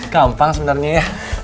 gampang sebenernya ya